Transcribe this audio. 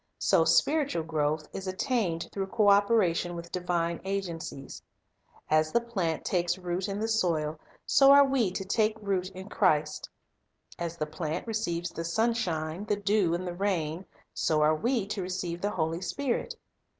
So spiritual growth is attained through co operation with divine agencies. As the plant takes root in the soil, so we are to take root in Christ. As the plant receives the sunshine, the dew, and the rain, so are we to receive the Holy Spirit.